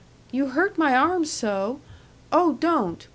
You hurt my arm so!... Oh, don't!